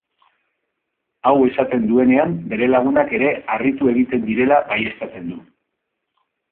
Hau esaten duenean bere lagunak ere harritu egiten direla baieztatzen du.